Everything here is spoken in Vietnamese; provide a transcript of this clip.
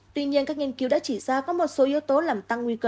tuy nhiên các nghiên cứu đã chỉ ra có một số yếu tố làm tăng nguy cơ